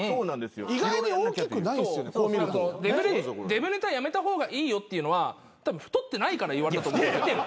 デブネタやめた方がいいよっていうのは太ってないから言われたと思うんですよ。